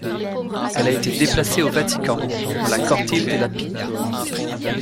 Elle a été déplacée au Vatican, dans la Cortile della Pigna.